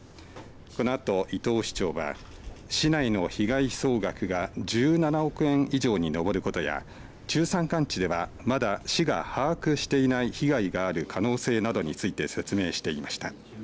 このあと、伊藤市長は市内の被害総額が１７億円以上に上ることや中山間地ではまだ市が把握していない被害がある可能性などについて説明していました。